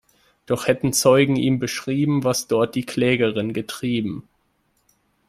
Doch hätten Zeugen ihm beschrieben, was dort die Klägerin getrieben.